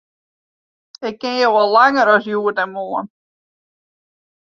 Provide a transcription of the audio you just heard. Ik ken jo al langer as hjoed en moarn.